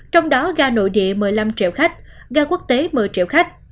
trong đó ga nội địa một mươi năm triệu khách ga quốc tế một mươi triệu khách